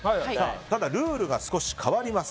ただルールが少し変わります。